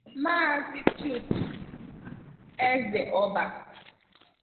Maazị Chuks Ezeoba